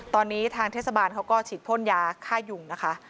ตอนนี้ทางเทศบาลเขาก็ฉีดพ่นยาฆ่ายุงนะคะ